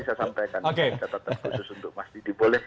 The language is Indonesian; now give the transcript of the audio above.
catatan khusus untuk mas didi boleh